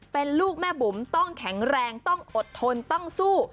เป็นลูกแม่บุ๋มต้องแข็งแรงต้องอดทนต้องสู้